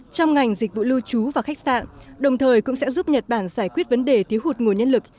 trong ngành dịch vụ lưu trú và khách sạn đồng thời cũng sẽ giúp nhật bản giải quyết vấn đề thiếu hụt nguồn nhân lực